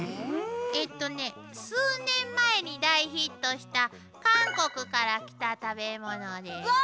えとね数年前に大ヒットした韓国から来た食べ物です。わ！